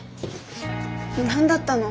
何だったの？